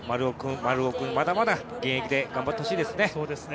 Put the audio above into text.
丸尾君、まだまだ現役で頑張ってほしいですね。